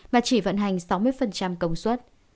và chỉ vận hành sáu mươi công suất